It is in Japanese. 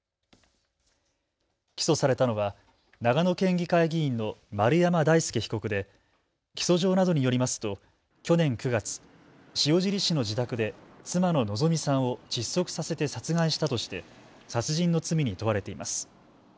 起訴されたのは長野県議会議員の丸山大輔被告で起訴状などによりますと去年９月、塩尻市の自宅で妻の希美さんを窒息させて殺害したとして殺人の罪に問われています。